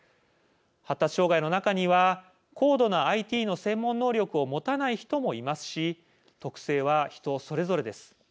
発達障害の中には高度なＩＴの専門能力を持たない人もいますし特性は人それぞれです。